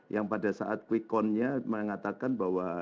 yang pada saat quickcon nya mengatakan bahwa